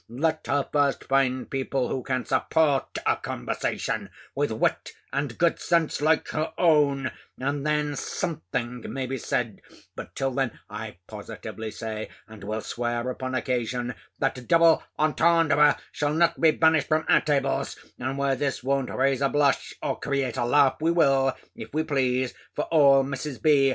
Let her first find people who can support a conversation with wit and good sense like her own, and then something may be said: but till then, I positively say, and will swear upon occasion, that double entendre shall not be banished from our tables; and where this won't raise a blush, or create a laugh, we will, if we please, for all Mrs. B.